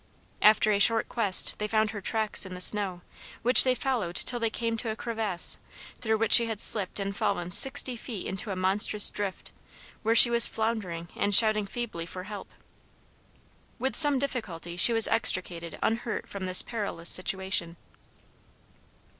After a short quest they found her tracks in the snow, which they followed till they came to a crevasse, through which she had slipped and fallen sixty feet into a monstrous drift, where she was floundering and shouting feebly for help. With some difficulty she was extricated unhurt from this perilous situation.